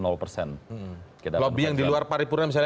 lobby yang di luar paripurna misalnya